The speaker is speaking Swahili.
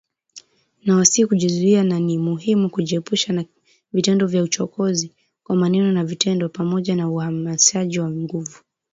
“Ninawasihi kujizuia na ni muhimu kujiepusha na vitendo vya uchokozi, kwa maneno na vitendo, pamoja na uhamasishaji wa nguvu.”